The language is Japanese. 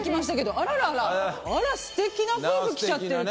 あらすてきな夫婦来ちゃってるけど。